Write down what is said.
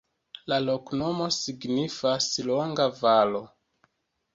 La loknomo signifas: longa-valo.